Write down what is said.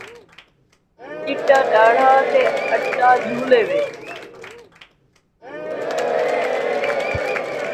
چِٹا ݙاڑھا تے اٹا جھولے وِچ